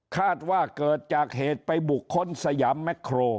คาดว่าเกิดจากเหตุไปบุคคลสยามแมคโคร